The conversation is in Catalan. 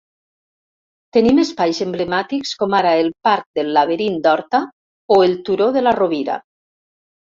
Tenim espais emblemàtics com ara el parc del Laberint d'Horta o el Turó de la Rovira.